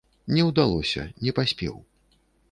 Не ўдалося, не паспеў.